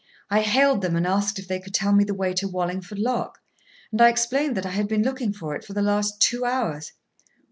I hailed them, and asked if they could tell me the way to Wallingford lock; and I explained that I had been looking for it for the last two hours.